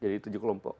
jadi tujuh kelompok